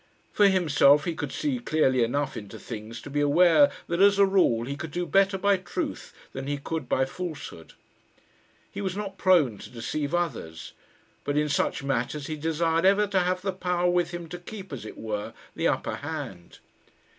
For himself, he could see clearly enough into things to be aware that, as a rule, he could do better by truth than he could by falsehood. He was not prone to deceive others. But in such matters he desired ever to have the power with him to keep, as it were, the upper hand.